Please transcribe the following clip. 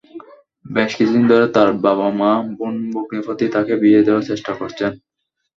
বেশ কিছুদিন ধরে তার বাবা-মা, বোন-ভগ্নিপতি তাকে বিয়ে দেওয়ার চেষ্টা করছেন।